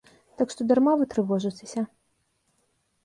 Так што дарма вы трывожыцеся.